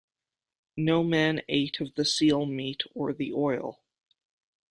No man ate of the seal meat or the oil.